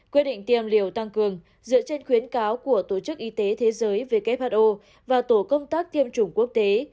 quyết định tiêm liều tăng cường dựa trên khuyến cáo của tổ chức y tế thế giới who và tổ công tác tiêm chủng quốc tế